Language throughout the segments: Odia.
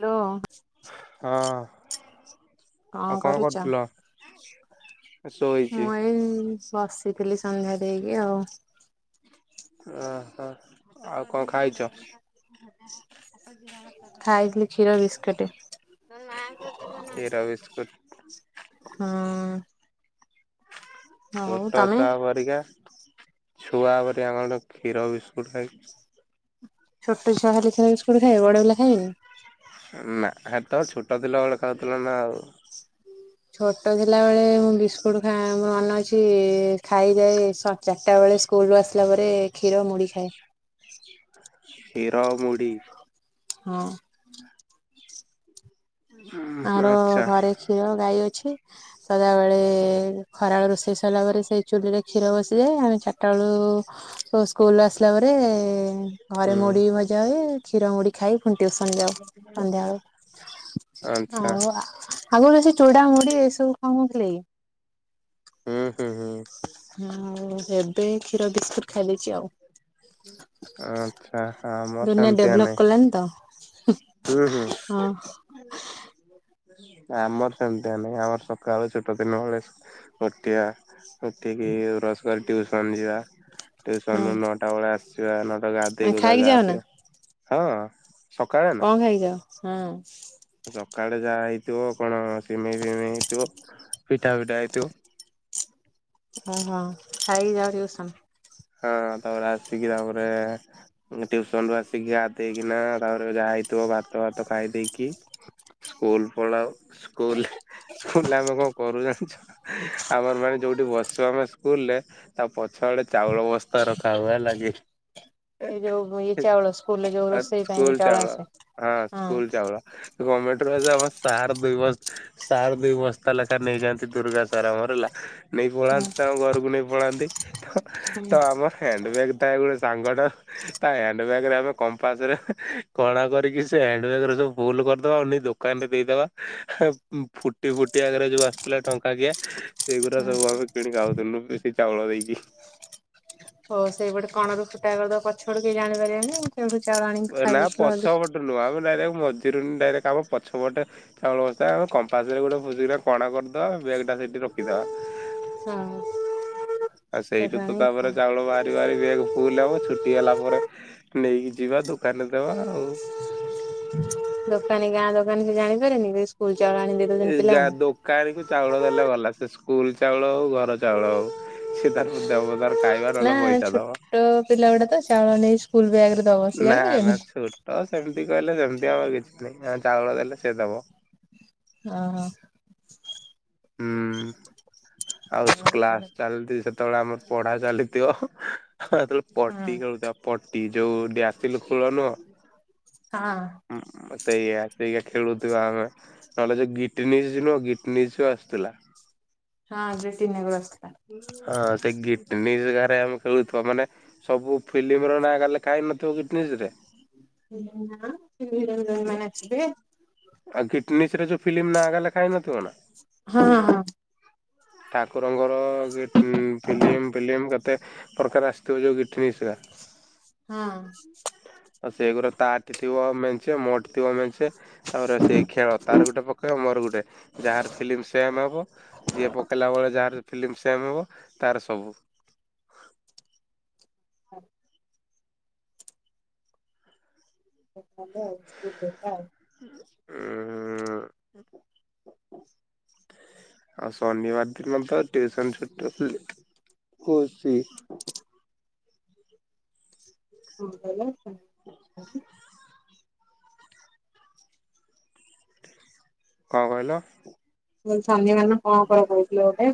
ହ୍ୟାଲୋ। ହଁ। କଣ ଆଉ କରୁଛ କରୁଥିଲ? ଶୋଇଚି। ମୁଁ ଏଇ ବସି ବସି ଥିଲି ସନ୍ଧ୍ୟା ଦେଇକି ଆଉ। ଓହୋ ଆଉ କଣ ଖାଇଛ? ଖାଇଥିଲି କ୍ଷୀର ବିସ୍କୁଟ। କ୍ଷୀର ବିସ୍କୁଟ। ଛ ହଁ। ଛୋଟ ଛୁଆ ପରିକା ଛୁଆ ପରିକା କଣ କ୍ଷୀର ବିସ୍କୁଟ ଖାଇଛୁ? ଛୋଟ ଛୁଆ ହେଲେ କ୍ଷୀର ବିସ୍କୁଟ ଖାଇବେ ବଡ ପିଲା ଖାଇବେନି। ନା ହେ ତ ଛୋଟ ଥିଲାବେଳେ ଖାଉଥିଲ ନା ଆଉ। ଛୋଟ ଥିଲା ବଳେ ମୁଁ ବିସ୍କୁଟ ଖା ମନେ ଅଛି ଖାଇଯାଏ ସ ଚାରିଟା ବେଳେ ସ୍କୁଲ ରୁ ଆସିଲା ପରେ କ୍ଷୀର ମୁଡି ଖାଏ। କ୍ଷୀର ମୁଢି? ହଁ। ହୁଁ ଆମର ଆଚ୍ଛା। ଘରେ କ୍ଷୀର ଗାଈ ଅଛି। ସଦାବେଳେ ଖରା ବେଳ ରୋଷେଇ ସରିଲା ପରେ ସେଇ ଚୁଲିରେ କ୍ଷୀର ବସିଯାଏ ଆମେ ଚାରିଟା ବେଳୁ ଉ ସ୍କୁଲ ଆସିଲା ପରେ ଘରେ ହୁଁ। ମୁଢି ଭଜା ହୁଏ କ୍ଷୀର ମୁଢ଼ି ଖାଇ ହ ଟିୁଉସନ ଯାଉ ସନ୍ଧ୍ୟାବେଳୁ। ଆଚ୍ଛା ହଉ ଆଗରୁ ସେ ଚୂଡ଼ା ମୁଢ଼ି ଏସବୁ ଖାଉ ନ ଥିଲେ କି? ହୁଁ ହୁଁ ହୁଁ ହ ଏବେ କ୍ଷୀର ବିସ୍କୁଟ ଖାଇଦେଇଛି ଆଉ। ଆଚ୍ଛା ଆମର ଦୁନିଆ ସେମିତିଆ ଡେଭଲପ ନାଇଁ। କଲାଣିି ତ? ହୁଁ ହୁଁ ହଁ। ଆମର ସେମିତିଆ ନାଇଁ ଆମର ସକାଳୁ ଛୋଟ ଦିନ ବେଳେ ଗୋଟିଆ ଉଠିକି ବ୍ରସ୍ କରିକି ଟିୁଉସନ ଯିବା। ଟ୍ୟୁସନରୁ ହଁ ନଅଟା ବେଳେ ଆସିବା ନଅଟା ଗା ଦେଇ ଗୋଧା ଖାଇକି ଯାଅ ଯାହା ନା ଥିବା ହଁ। ସକାଳେ ନା କଣ ଖାଇଛ ହଁ। ସକାଳେ ଯାହା ହେଇଥିବ କଣ ସିମେଇ ଫିମେଇ ହେଇଥିବ। ପିଠା ପିଠା ହେଇ ଥିବ। ଓହୋ ଖାଇକି ଯାଅ ହେରି ଟିଉସନ। ହଁ ତାପରେ ଆସିକି ତାପରେ ଟିଉସନ ରୁ ଆସିକି ଗାଧେଇକି ନା ତାପରେ ଯାଏ ହେଇଥିବ ଭାତ ଫାତ ଖାଇ ଦେଇକି ସ୍କୁଲ ପଳାଉ ସ୍କୁଲରେ ହେଁ ସ୍କୁଲରେ ଆମେ କଣ କରୁ ଜାଣିଛୁ ଆମର ମାନେ ଯୋଉଠି ବସୁ ଆମେ ସ୍କୁଲରେ ତା ପଛଆଡେ ଚାଉଳ ବସ୍ତା ରଖା ହବ ହେଲାକି? ଏ ଯୋଉ ଇଏ ଚାଉଳ ସ୍କୁଲରେ ଯୋଉ ରୋଷେଇ ପାଇଁ ଯୋଉ ଚାଉଳ ଆସେ? ହଁ ସ୍କୁଲ ଚାଉଳ ଗମେଣ୍ଟ ର ଆମ ସାର୍ ଦୁଇ ବସ୍ ସାର୍ ଦୁଇ ବସ୍ତା ଲେଖା ନେଇଯାଆନ୍ତି ଦୁର୍ଗା ସାର ଆମର ହେଲା ନେଇ ପଳାନ୍ତି ତାଙ୍କ ଘରକୁ ନେଇ ପଳାନ୍ତି ତ ତ ଆମ ହ୍ୟାଣ୍ଡ ବ୍ୟାଗ ଥାଏ ଗୋଟେ ସାଙ୍ଗଟା ତା ହ୍ୟାଣ୍ଡ ବ୍ୟାଗ ରେ ଆମେ କମ୍ପାସ ରେ କଣା କରିକି ସେ ହ୍ୟାଣ୍ଡ ବ୍ୟାଗ୍ ରେ ସବୁ ଫୁଲ କରିଦବା ଆଉ ଦୋକାନ ରେ ଦେଇଦବା ଫୁଟି ଫୁଟି ଆଗରେ ଯୋଉ ଆସୁଥିଲା ଟଙ୍କା କିଆ ସେଇଗୁଡା ସବୁ ଆମେ କିଣିକି ଆଉଥିଲୁ ବେଶି ଚାଉଳ ଦେଇକି ହଉ ସେଇପଟେ କଣ ରୁ ଫୁଟା କରିଦେବ ପଛ ପଟୁ କେହି ଜାଣିପାରିବେନି ଆଉ ନା ପଛ ପଟୁ ନୁହ ଆମେ ନାଇ ନାଇ ମଝିରୁ ଡାଇରେକ୍ଟ ଆମ ପଛପଟେ ଚାଉଳ ବସ୍ତା ଆମ କମ୍ପାସ ରେ ଗୋଟେ ଖୁ କଣା କରିଦବା ବ୍ୟାଗଟା ସେଠି ରଖିଦେବା। ହଁ। [inaudible] ଆଉ ସେଠୁ ସେଇଠୁ ତ ଆଣିକି ତାପରେ ଖାଅ ଚାଉଳ ବାହାରି ବାହାରି ବେକ୍ ଫୁଲ ହବ ଛୁଟି ହେଲା ପରେ ନେଇକି ଯିବା ଦୋକାନରେ ଦେବା ଆଉ ଦୋକାନୀ ଗାଁ ଦୋକାନୀ ସେ ଜାଣିପାରେନି ସେ ସ୍କୁଲ ଚାଉଳ ଆଣି ଦେଇ ଏ ଦଉଛନ୍ତି ଯା ପିଲାମାନେ ଦୋକାନୀକୁୁ ଚାଉଳ ଦେଲେ ଗଲା ସେ ସ୍କୁଲ ଚାଉଳ ହଉ ଘର ଚାଉଳ ହଉ ସେ ତାର ଦେବ ତାର ଖାଇବା ନା ନହେଲେ ପଇସା ଦବ। ଛୋଟ ପିଲା ଗୁଡା ତ ଚାଉଳ ନେଇ ସ୍କୁଲ ବ୍ୟାଗରେ ଦବ ସେ ନା ନା ଜାଣିପାରିବେନି। ଛୋଟ ସେମିତି କହିଲେ ସେମତି ଦି ହବ [unintelligible] ଚାଉଳ ଦେଲେ ସେଦବ। ହ ହ ହୁଁ ଆଉ ହଁ କ୍ଲାସ ଚାଲି ସେତେବେଳେ ଆମର ପଢା ଚାଲିଥିବ ହ ହେତେବେଳେ ହଁ ପଟି ଖେଳୁଛ ପଟି ଯୋଉ ଡିଆସିଲ ଖୋଳ ନୁହ ହଁ ସେଇଆ ସେଇଆ ଖେଳୁଥିବା ଆମେ ନହେଲେ ସେ ଯୋଉ ଗିଟନିସ୍ ନୁହଁ ଗିଟନିସ୍ ସବୁ ଆସୁଥିଲା। ହଁ ଯୋଉ ଟିନା କୁ ରଖିଥିଲା। ହଁ ସେ ଗିଟ୍ ନିଶ୍ ହେକାରେ ଆମେ ଖେଳୁଥିବା ମାନେ ସବୁ ଫିଲ୍ମ ର ନାଁ ଏକା ଲେଖାହେଇ ନଥିବ ଗିଟିନିସରେ ନା [unintelligible] ମାନ ଅଛିିଯେ ଆଉ ଗିଟନିସରେ ଯୋଉ ଫିଲ୍ମ ନା ହେକା ଲେଖା ହୋଇନଥିବ ନା ହଁ ହଁ ଠାକୁରଙ୍କର ଫିଲ୍ମ ଫିଲ୍ମ କେତେ ପ୍ରକାର ଆସିଥିବ ଯୋଉ ଗୀ ହଁ ଆଉ ସେଗୁରା ତାଠି ଥିବ ମେଞ୍ଚେ ମୋଠି ଥିବ ମେଞ୍ଚେ ତାପରେ ସେଇ ଖେଳ ତାର ଗୋଟେ ପକେଇବ ମୋର ଗୋଟେ ଯାହାର ଫିଲ୍ମ ସେମ ହବ ଯିଏ ପକେଇ ଲା ବେଳେ ଯାହାର ଫିଲ୍ମ ସେମ ହବ ତାର ସବୁ। ହଉ ଭଲ ଆଉ ସ୍କୁଲ ଟାଇମ୍ ଟା ଆଉ। ଉଁହୁ। ଆଉ ଶନିବାର ଦିନ ତ ଟିଉସନ ଛୁଟ [inaudible] ଖୁସୀ। କଣ କହିଲ? [unintelligible] କଣ କହିଲ? ମୁଁ କହିଲି ସନିବାନ ଦିନ କଣ କ କହୁଥିଲ ଗୋଟେ?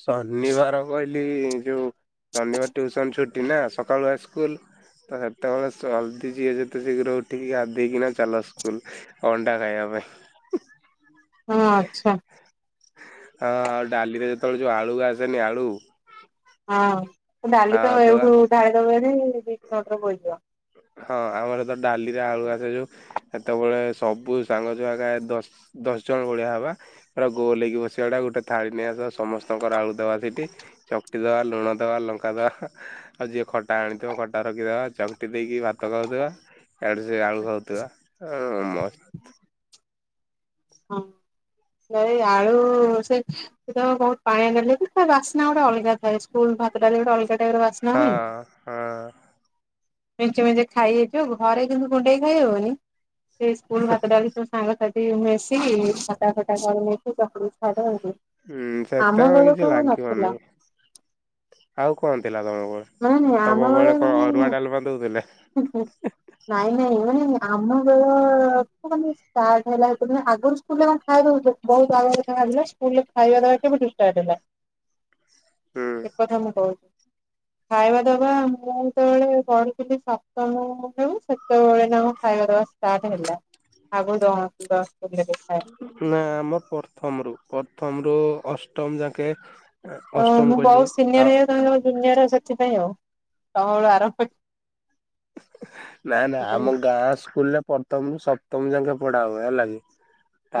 ଶନିବାର କହିଲି ଯୋଉ ଶନିବାର ଟ୍ୟୁସନ ଛୁଟି ନା ସକାଳୁଆ ସ୍କୁଲ ତ ସେତେବେଳେ ହଲଦି ଯିଏ ଯେତେ ଶୀଘ୍ର ଉଠିକି ଗାଧେଇ ଦେଇକିନା ଚାଲ ସ୍କୁଲ ଅଣ୍ଡା ଖାଇବା ପାଇଁ। ଉଁ। ହଁ ଆଚ୍ଛା ହଁ ଆଉ ଡାଲିରେ ଯେତେବେଳେ ଯୋଉ ଆଳୁ ଆସେନି ଆଳୁ ହଁ ଡାଲି ତ ଏଇଠୁ ଢାଲି ଦବ ଯଦି ସେ କଡ଼ରେ ବୋହିଯିବ। ହଁ ଆମର ତ ଡାଲିରେ ଆଳୁ ଆସେ ଯୋଉ ହେତେବେଳେ ସବୁ ସାଙ୍ଗ ଯୋଉ ଦଶ ଦସ୍ ଜ ଓ ଭଳିଆ ହେବା ପୂରା ଗୋଲ ହେଇକି ବସିବା ଗୋଟେ ଥାଳି ନେଇ ଆସିବା ସମସ୍ତଙ୍କର ଆଳୁ ଦେବା ସେଠି ଚକ ଟି ଦେବା, ଲୁଣ ଦେବା, ଲଙ୍କା ଦେବା, ଆଉ ଯିଏ ଖଟା ଆଣିଥିବ ଖଟା ରଖିଦେବା ଚ କଟି ଦେଇକି ଭାତ ଖାଉଥିବା, ଆଡେ଼ ସେ ଆଳୁ ଖାଉଥିବା ଏଁ ମସ୍ତ ହ। ସେଇ ଆଳୁ, ସେ ତ ବହୁତ ପାଣିଆ ଦେଲେ ବି ତା ବାସ୍ନା ଗୋଟେ ଅଲଗା ଥାଏ ସ୍କୁଲ ଭାତ ଡାଲି ଗୋଟେ ଅଲଗାଟାଇପ୍ ର ବାସ୍ନା ହଁ ହୁଏନି। ହଁ ମେଞ୍ଚେ ମେଞ୍ଚେ ଖାଇହେଇଯିବ ଘରେ କିନ୍ତୁ ଗୁନଡେ ଖାଇହବନି ସେ ସ୍କୁଲ ଭାତ ଡାଲି କୁ ସାଙ୍ଗ ସାଥି ସେ ମିଶିକି ଖଟା ଫଟା କରି ନେଇକି ତାକୁ ଛଡଉ। ହୁଁ ସେତେବେଳେ କିଛି ଲାଗିବନି। ଆଉ କଣ ଥିଲା ତମର? ନାଇଁ ନାଇଁ ଆମ ବେଳେ ମାନେ ଦଉଥିଲେ ହୁଁ ହୁଁ ନାଇଁ ନାଇଁ ମ ନାଇ ଆମ ବେଳକୁ ମାନେ ଷ୍ଟାର୍ଟ ହେଲା ଏତେ ଦିନ ଆଗରୁ ସ୍କୁଲ ରେ ଙ୍କ ଖାଇବା ଦଉଥିଲା ବହୁତ ଆଗ [unintelligible] ବାଜିଲା ସ୍କୁଲ ରେ ଖାଇବା ଦେବା କେବେଠୁ ଷ୍ଟାଟ ହେଲା। ସୁ। ସେ କଥା ମୁଁ କହୁଛି। ଖାଇବା ଦବା ମୁଁ ଯେତେବେଳେ ପଢୁଥିଲି ସପ୍ତମ ରୁ ସେତେବେଳେ ନା ମୁଁ ଖାଇବା ଦବା ଷ୍ଟାର୍ଟ ହେଲା ଆଗରୁ ଦଉନଥିଲେ ଦଶ ନା ଆମ ପ୍ରଥମରୁ ପ୍ରଥମରୁୁ ଅଷ୍ଟମ ଯାକେ। ତ ଅଷ୍ଟମ ମୁଁ କହିଲି ବହୁତ ଆ ସିନିୟର ହେଇଯାଉଛି ତମେ ସବୁ ଜୁନିୟର ସେଥିପାଇଁ ଆଉ ତମ ବେଳୁ ଆରମ୍ଭ। ନା ନା ସେଥିପାଇଁ ଆମ ଗାଁ ସ୍କୁଲରେ ପ ଥମରୁ ସପ୍ତମ ଯାକେ ପଢା ହୁଏ ହେଲାକି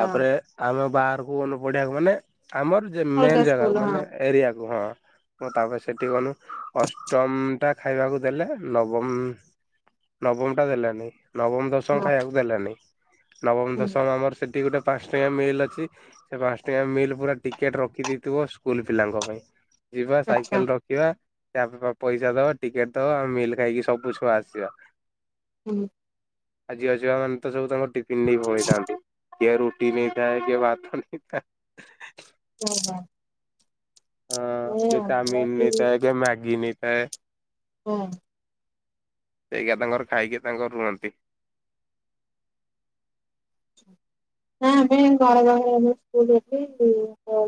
ହଁ ଆମେ। ବାହାରକୁ ଗଲୁ ପଢିବାକୁ ମାନେ ଆମର ଯେ ଅଲଗା ମେନ୍ ସ୍କୁଲ ଜାଗାକୁ ହଁ ମାନେ ଏରିଆକୁ ହଁ। ମୁଁ ତାପରେ ସେଠି ଗନୁ ଅଷ୍ଟମ ଟା ଖାଇବାକୁ ଦେଲେ ନବମ। ନବମ ଟା ଦେଲେନି ନବମ ଦଶମ ହଁ ଖାଇବାକୁ ଦେଲେନି। ନବମ ହୁଁ ଦଶମ ଆମର ସେଠି ଗୋଟେ। ପାଞ୍ଚ ଟଙ୍କିୟା ମିଲ୍ ଅଛି ସେ ପାଞ୍ଚ ଟଙ୍କିୟା ମିଲ୍ ପୁରା ଟିକେଟ ରଖିଦେଇଥିବ ସ୍କୁଲ ପିଲାଙ୍କ ପାଇଁ। ଯିବା ଆଚ୍ଛା ସାଇକେଲ ରଖିବା ତାପପ ପଇସା ଦବା ଟିକେଟ ଦବା ମିଲ ଖାଇକି ସବ ବୁ ଛୁଆ ଆସିବା। ହୁଁ। ଆଜି ଝିଅ ଛୁଆ ମାନେ ତ ସବୁ ତାଙ୍କ ଟିଫିନ ନେଇ ପଳେଇଥାନ୍ତି। କିଏ ରୁଟି ନେଇଥାଏ କିଏ ଭାତ ନେଇଥାଏ। ଓ ହୋ। ହଁ କିଏ ଚାଉମିିନ ନେଇଥାଏ କିଏ ମ୍ୟାଗି ନେଇଥାଏ। ଓଂ। ସେଇଆ ତାଙ୍କର ଖାଇକି ତାଙ୍କର ରୁହନ୍ତି। ଛୁ। ନା ଆମେ ଘର ପାଖରେ ଆମ ସ୍କୁଲ ଅଛି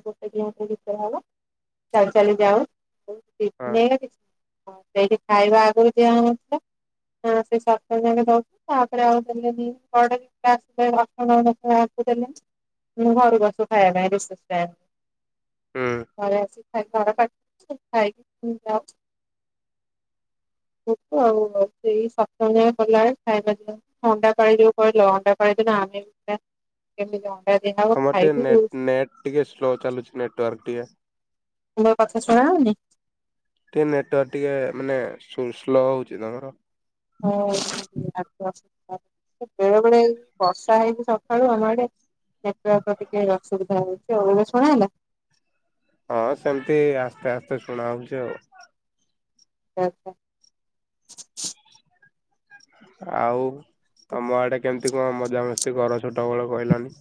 ଗୋଟେ କିଲୋମିଟର ଭିତରେ ହବ। ଚାଲି ଚାଲି ଯାଉ ହଁ ବିକନି କିଛି। ହଁ ସେଇଠି ଖାଇବା ଆଗରୁ ଦିଆ ହଉନଥିଲା। ହଁ ସେ ସପ୍ତମ ଯାକେଁ ଦଉଥିଲେ ତାପରେ ଆଉ ଦେଲେନି ପଡେ କି ଟାକ୍ସ। [unintelligible] ଦେଲେନି ମୁଁ ଘରକୁ ଆସୁ ଖାଇବା ପାଇଁ ରିସେସ ଟାଇମ। ହୁଁ ଘରେ ଆସି ଖାଇକି [unintelligible] ଖାଇକି ପୁଣି ଯାଉ। କୌଣସି ଶବ୍ଦ ଶୁଭୁ ନାହିଁ, ଟୁଟୁ ଆଉ ସେଇ ସପ୍ତମ ଯାଏଁ ପଢ଼ିଲା ବେଳେ ଖାଇବା ଦିଆ ଅଣ୍ଡା ପାଣି ଯଉ କହିଲ ଅଣ୍ଡା। କଣ ହେଇଚି ନା ଆମେ ସେଟା କେମିତି ଅ ତମର ଟିକେ ନେଟ ନେଟ ଟିକେ ସ୍ଲୋ ଚାଲୁଛି ନେଟୱାର୍କ ଟିକେ। ମୋ କଥା ଶୁଣାହଉନି। ଟିକେ ନେଟୱାର୍କ ଟିକେ ମାନେ ସ ସ୍ଲୋ ହଉଛି ତମର। ହଁ। [inaudible] ବେଳେ ବେଳେ ଏଇ ବର୍ଷା ହେଇଛିି ସକାଳୁ ଆମ ଆଡେ। ନେଟୱାର୍କ ଟିକେ ଅସୁବିଧା ହଉଛି ଆଉ ଏବେ ଶୁଣା ହେଲା? ହଁ ସେମିତି ଆସ୍ତେ ଆସ୍ତେ ଶୁଣା ହଉଛି ଆଉ। ଆଚ୍ଛା। ଆଉ ତମ ଆଡ଼େ କେମ ତି କଣ ମଜାମସ୍ତି କର ଛୋଟବେଳେ କହିଲନି।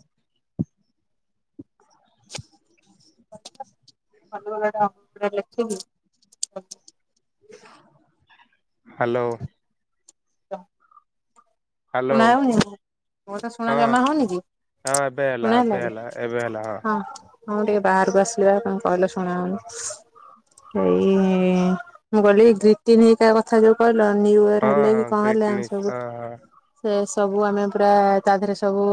ରେ ଲେଖିକି। [unintelligible] ହାଲୋ। ହ [unintelligible] ହ୍ୟାଲୋ। ଶୁଣାଯାଉନି। ମୋ କଥା ଶୁଣା ହଁ ଜମା ହଉନି ହଁ କି ଏବେ ଶୁଣା ଏବେ ହେଲା କି ଏବେ ହେଲା ହଁ। ହଁ ଟିକେ ବାହାରକୁ ଆସିଲି ପା ତମେ କହିଲ ଶୁଣା ହଉନି। ଏଇ ମୁଁ କହିଲି ଗ୍ରୀତିନି ହେକା କଥା ଯୋଉ କହି ନ୍ୟୁୟର୍ ହଁ ହେଲେ ହଁ କି କଣ ହେଲେ ଆମେ ଗ୍ରେଟନେସ୍ ସବୁ ହଁ ଗିପଟ୍ ସେ ସବୁ ଆମେ ପୁରା ତା ଦେହରେ ସବୁ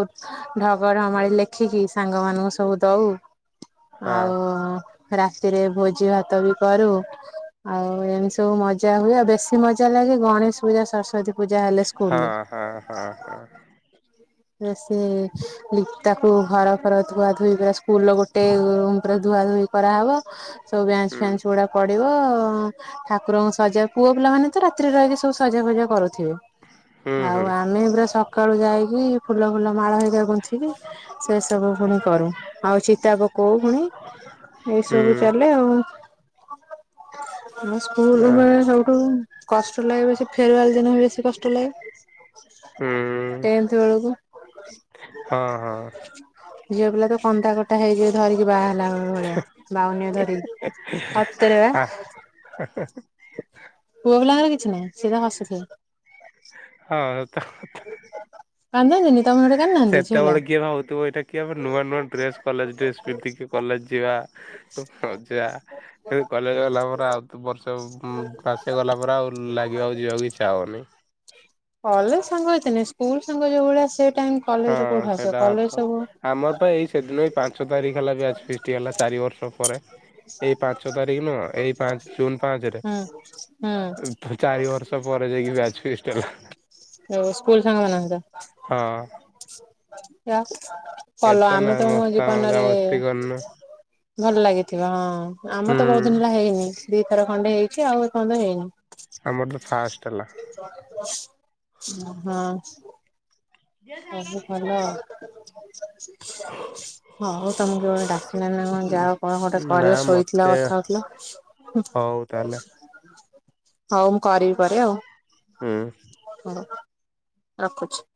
ଢ଼ଗଢ଼ମାଳି ଲେଖିକି ସାଙ୍ଗମାନଙ୍କୁ ସବୁ ଦ ଦୋଉ ହଁ ଆଉ ରାତିରେ ଭୋଜିଭାତ ବି କରୁ ଆଉ ଏମତି ସବୁ ମଜା ହୁଏ ଆଉ ବେଶୀ ମଜାଲାଗେ ଗଣେଶ ପୂଜା ସରସ୍ଵତୀ ପୂଜା ହେଲେ ହଁ ସ୍କୁଲରେ। ହଁ ହଁ ହଁ। ନା ସେ ଉ ତାକୁ ଘରଫର ଧୁଆଧୋଇ ପୁରା ସ୍କୁଲର ଗୋଟେ ରୁମ୍ ପୁରା ଦୁ ଧୁଆଧୋଇ କରାହବ ସବୁ ହୁଁ ବେଞ୍ଚଫେଞ୍ଚ ଗୁଡ଼ା ପଡ଼ିବ ହଁ ଠାକୁରଙ୍କୁ ସଜା ପୁଅ ପିଲାମାନେ ତ ରାତିରେ ରହିକି ସବୁ ସଜାଫଜା କରୁ ଥୁବେ ହୁଁ ଆଉ ହୁଁ ଆମେ ପୁରା ସକାଳୁ ଯାଇକି ଫୁଲ ଫୁଲମାଳ ହେରିକା ଗୁନ୍ଥିକି ସେସବୁ ଫୁଣି କରୁ ଆଉ ଚିତା ପକୋଉ ଫୁଣି ଏଇ ହୁଁ ସବୁ ଚାଲେ ଆଉ ମୁଁ ଆ ସ୍କୁଲୁ ବେଳେ ସବୁଠାରୁ କଷ୍ଟ ଲାଗେ ବେଶୀ ଫେରୁୱାଲ ଦିନ ବେଶୀ କଷ୍ଟ ଲାଗେ ହୁଁ ଟେନଥ୍ ବେଳକୁ। ହଁ ହଁ। ଝିଅପିଲା ତ କନ୍ଦାକଟା ହେଇଯିବେ ଧରିକି ବା ବାହାଘର ଭଳିଆ ବାଉନ୍ୟ ଧରି ସତରେ ପା। ଆଜ୍ଞା। ପୁଅ ପିଲାଙ୍କର କିଛି ନାହିଁ ସେରା ହସୁଥିବେ। ହଁ ସତକଥା। କାନ୍ଦନ୍ତିନି ତମ ଆଡେ କାନ୍ଦୁନାହାନ୍ତି ଝିଅ ପିଲା? ସେତେବେଳେ କିଏ ଭାବୁଥୁବ ଏଟା କିଏ ଆମର ନୂଆ ନୂଆ ଡ୍ରେସ କଲେଜ ଡ୍ରେସ ପିନ୍ଧିକି କଲେଜ ଯିବା। ଓ ମଜା ହେଲେ କଲେଜ ଗଲାପରେ ଆଉ ତୁ ବର୍ଷ ଉଁ ପାସ ସେ ଗଲା ପରେ ଆଉ ଲାଗିବ ଆଉ ଯିବାକୁ ଇଚ୍ଛା ହବନେଇ। କଲେଜ ସାଙ୍ଗ ଏତେ ନାହିଁ ସ୍କୁଲ ସାଙ୍ଗ ଯୋଉଭଳିଆ ସେ ଟାଇମ ହଁ କଲେଜରେ କୋଉଠୁ ଆସିବ ସେଇଟା କଲେଜ ସତ ସବୁ ହୁଁ ଆମର ତ ଏଇ ସେଦିନ ଏଇ ପାଞ୍ଚ ତାରିଖ ହେଲା ବ୍ୟାଚ ଫିଷ୍ଟ୍ ହେଲା ଚାରିବର୍ଷ ପରେ ଏଇ ପାଞ୍ଚ ତାରିଖ ନୁହଁ ଏଇ ପାଞ୍ଚ ଜୁନ୍ ପାଞ୍ଚରେ ହୁଁ ଏ-ଫ୍-ଚାରିବର୍ଷ ପରେ ଯାଇକି ବ୍ୟାଚ୍ ଫିଷ୍ଟ୍ ହେଲା। ଯୋଉ ସ୍କୁଲ ସାଙ୍ଗ ମାନଙ୍କ ସହିତ ହଁ। ବ୍ୟା କଲ ଏତେ ନା ଆମେ ତ ମୋ ମସ୍ତା ଜୀବନରେ ମଜାମସ୍ତି କରିନୁ ଭଲ ଲାଗିଥିବ ହଁ ଆମର ହୁଁ ତ ବୋହୁତ ଦିନ ହେଲା ହେଇନି ଦିଥର ଖଣ୍ଡେ ହେଇଚି ଆଉ ଏ ପର୍ଯ୍ୟନ୍ତ ହେଇନି। ଆମର ତ ଫାଷ୍ଟ ହେଲା। ଅହଁ। ସବୁ ଭଲ? ହଁ । ହୋଉ ତମକୁ କିଏ ଗୋଟେ ଡାକିଲାଣି ନା କଣ ଯାଅ କଣ ଗୋଟେ ନା କରିବ ଶୋଇଥିଲ ମତେ କଥା ହୋଉଥିଲ। ହୁଁ। ହଉ ତାହେଲେ ହୋଉ ମୁଁ କରିବି ପରେ ଆଉ ହୁଁ। ହୋଉ ରଖୁଚି।